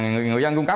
người dân cung cấp